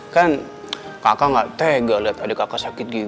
kan kakak enggak tega lihat adik kakak sakit gitu